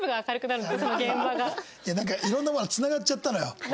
いやなんかいろんなものがつながっちゃったのよ。